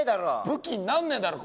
武器になんねえだろ。